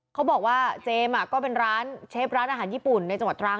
เขาบอกว่าเจมส์ก็เป็นร้านเชฟร้านอาหารญี่ปุ่นในจังหวัดตรัง